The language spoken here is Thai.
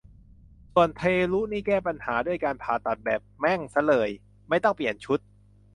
ส่วนเทรุนี่แก้ปัญหาด้วยการผ่าตัดแบบ แม่งซะเลย ไม่ต้องเปลี่ยนชุด